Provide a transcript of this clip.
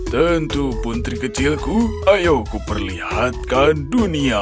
tentu putri kecilku ayo kuperlihatkan dunia